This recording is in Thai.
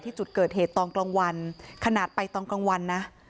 จุดเกิดเหตุตอนกลางวันขนาดไปตอนกลางวันนะ